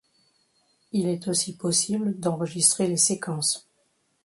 Il est aussi possible d'enregistrer les séquences.